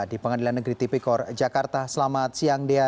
di pengadilan negeri tipekor jakarta selamat siang dia